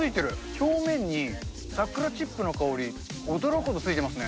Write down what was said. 表面にサクラチップの香り、驚くほどついてますね。